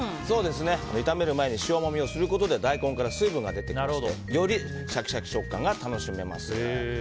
炒める前に塩もみをすることで大根から水分が出てきましてよりシャキシャキ食感が楽しめます。